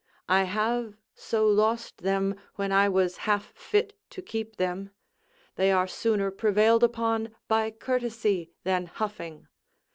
I have so lost them when I was half fit to keep them: they are sooner prevailed upon by courtesy than huffing.